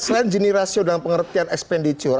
selain jenis rasio dalam pengertian expenditure